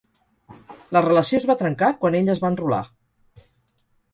La relació es va trencar quan ell es va enrolar.